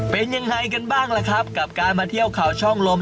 เป็นยังไงกันบ้างล่ะครับกับการมาเที่ยวข่าวช่องลม